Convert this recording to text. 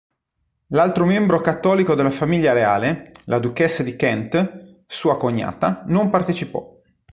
L'altro membro cattolico della famiglia reale, la duchessa di Kent, sua cognata, non partecipò.